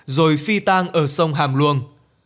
rồi phi tang ở sông hàm luông